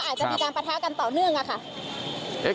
ก็อาจจะมีการประท้ากันต่อเนื่องค่ะ